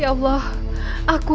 kalau ada apa apa